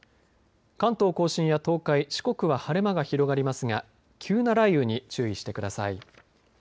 関東甲信や東海四国は晴れ間が広がりますが急な雷雨に注意してください。